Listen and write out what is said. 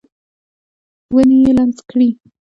ونې یې لمس کړي